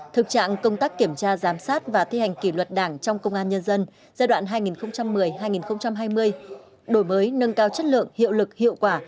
thực trạng công tác kiểm tra giám sát và thi hành kỷ luật đảng trong công an nhân dân giai đoạn hai nghìn một mươi hai nghìn hai mươi đổi mới nâng cao chất lượng hiệu lực hiệu quả